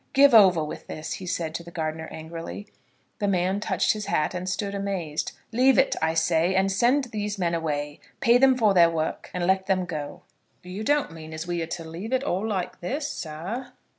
"Give over with this," he said to the gardener, angrily. The man touched his hat, and stood amazed. "Leave it, I say, and send these men away. Pay them for the work, and let them go." "You don't mean as we are to leave it all like this, sir?"